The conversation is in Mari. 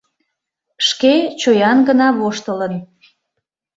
Шке чоян гына воштылын.